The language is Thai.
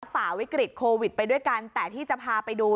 ฝ่าวิกฤตโควิดไปด้วยกันแต่ที่จะพาไปดู